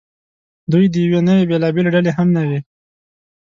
دوی د یوې نوعې بېلابېلې ډلې هم نه وې.